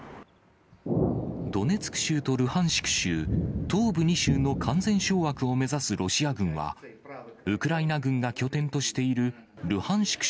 ドネツク州とルハンシク州、東部２州の完全掌握を目指すロシア軍は、ウクライナ軍が拠点としているルハンシク